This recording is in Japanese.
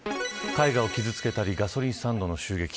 絵画を傷付けたりガソリンスタンドへの襲撃。